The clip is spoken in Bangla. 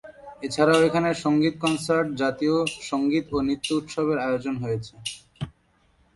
এছাড়াও এখানে সঙ্গীত কনসার্ট, জাতীয় সঙ্গীত ও নৃত্য উৎসবের আয়োজন হয়েছে।